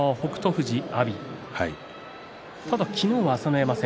富士、阿炎ただ昨日は朝乃山戦。